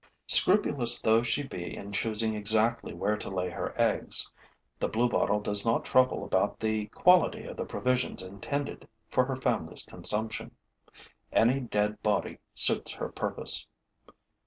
Scrupulous though she be in choosing exactly where to lay her eggs, the bluebottle does not trouble about the quality of the provisions intended for her family's consumption. Any dead body suits her purpose.